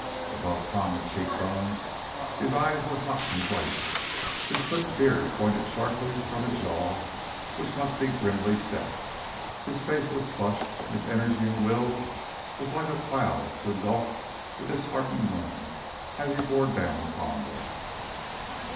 Above prominent cheekbones, his eyes were hot and bright, his clipped beard pointed sharply from a jaw which must be grimly set, his face was flushed, and his energy and will was like a cloud to engulf the disheartened men as he bore down upon them.